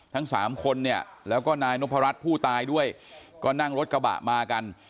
ทั้งสามคนเนี่ยแล้วก็นายนพรัชผู้ตายด้วยก็นั่งรถกระบะมากัน